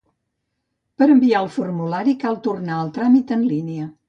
Per enviar el formulari cal tornar al tràmit en línia.